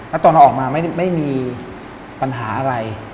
แล้วตอนเราออกมาไม่มีปัญหาอะไร